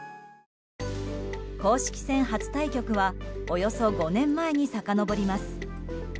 公式戦初対局はおよそ５年前にさかのぼります。